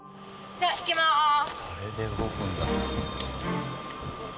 あれで動くんだ。